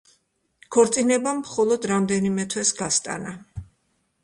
ქორწინებამ მხოლოდ რამდენიმე თვეს გასტანა.